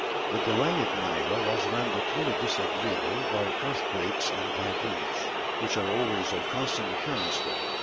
The delay at Manilla was rendered very disagreeable by earthquakes and typhoons, which are always of constant occurrence there.